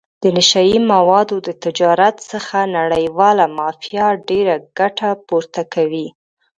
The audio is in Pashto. د نشه یي موادو د تجارت څخه نړیواله مافیا ډېره ګټه پورته کوي.